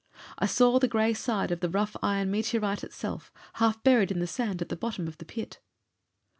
I saw the gray side of the rough iron meteorite itself, half buried in the sand at the bottom of the pit.